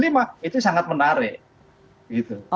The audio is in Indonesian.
itu sangat menarik